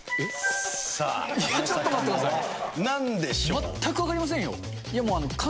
全く分かりませんよ。